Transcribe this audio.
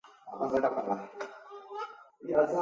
日本的经济危机成为日后的侵略埋下伏笔。